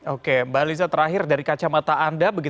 oke mbak alisa terakhir dari kacamata anda